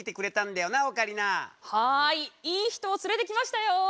はいいい人を連れてきましたよ！